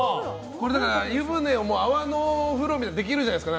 湯船を泡のお風呂みたいなのにできるじゃないですか。